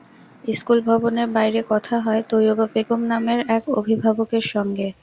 School ভবনের বাইরে কথা হয় তৈয়বা বেগম নামের এক অভিভাবকের সঙ্গে।